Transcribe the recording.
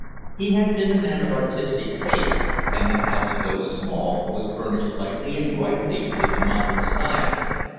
He had been a man of artistic tastes, and the house, though small, was furnished lightly and brightly in the modern style.